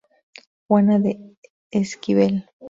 Juana de Esquivel.